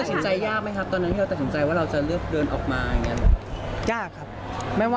เรียบครับตอนนั้นที่เราตะขนใจว่าเราจะเลือกเดินออกมาแล้ว